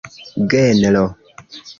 genro